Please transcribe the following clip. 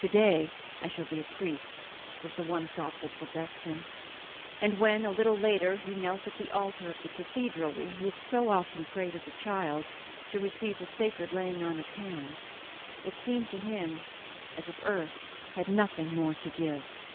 "To day I shall be a priest," was the one thought that possessed him; and when, a little later, he knelt at the altar of the cathedral where he had so often prayed as a child, to receive the sacred laying on of hands, it seemed to him as if earth had nothing more to give.